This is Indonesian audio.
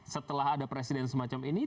setelah ada presiden semacam ini